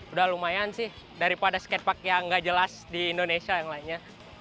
udah lumayan sih daripada skatepark yang nggak jelas di indonesia yang lainnya